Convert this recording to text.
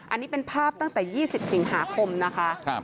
อันนี้เป็นภาพตั้งแต่๒๐สิงหาคมนะคะ